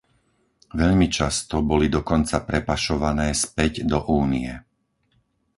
Veľmi často boli dokonca prepašované späť do Únie.